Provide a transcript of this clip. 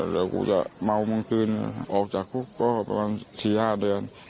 แล้วกูจะเมามึงคืนออกจากคุกก็ประมาณ๔๕เดือน